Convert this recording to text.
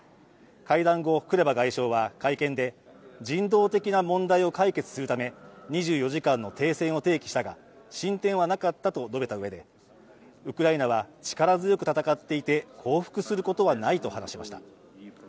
会談後、クレバ外相は会見で人道的な問題を解決するため２４時間の停戦を提起したが進展はなかったと述べたうえでウクライナは力強く戦っていて降伏することはないと話しました。